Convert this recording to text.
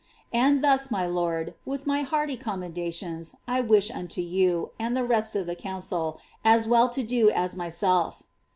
And thus, my lord, with my y commendations, I wish unto you, and the rest (of the council) as well to myself.